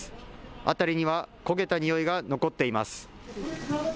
辺りには焦げたにおいが残っています。